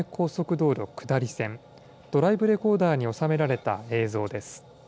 ドライブレコーダーに収められた映像です。